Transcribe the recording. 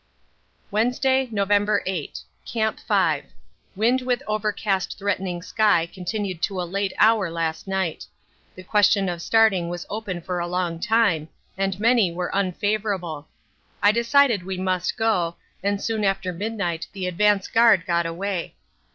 Wednesday, November 8. Camp 5. Wind with overcast threatening sky continued to a late hour last night. The question of starting was open for a long time, and many were unfavourable. I decided we must go, and soon after midnight the advance guard got away.